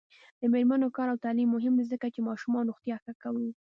د میرمنو کار او تعلیم مهم دی ځکه چې ماشومانو روغتیا ښه کو.